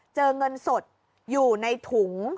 เงินสดอยู่ในถุง